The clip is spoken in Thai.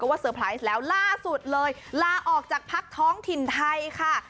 ก็ว่าแล้วล่าสุดเลยล่าออกจากพักท้องถิ่นไทยค่ะ